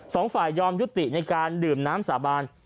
สองฝ่ายยอมยุติในการดื่มน้ำสาบาน